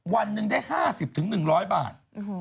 วันนึงได้ห้าสิบถึงหนึ่งร้อยบาท